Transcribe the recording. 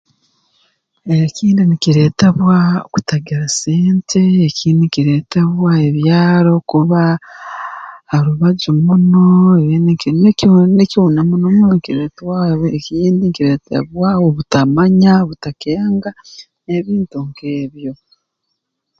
Ekindi nikireetebwa kutagira sente ekindi nkireetebwa ebyaro kuba harubaju muno ebin nikyo na muno muno nkileetwaho ekindi nkileetebwaho obutamanya obutakenga n'ebintu nk'ebyo